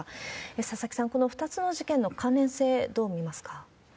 佐々木さん、この２つの事件の関連性、どう見ますか？